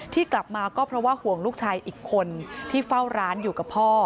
กลับมาก็เพราะว่าห่วงลูกชายอีกคนที่เฝ้าร้านอยู่กับพ่อ